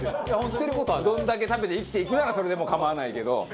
バカリズム：うどんだけ食べて生きていくならそれでも構わないけど。